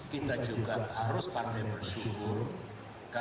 kita juga harus mengingatkan